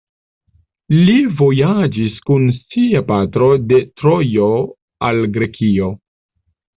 Li vojaĝis kun sia patro de Trojo al Grekio.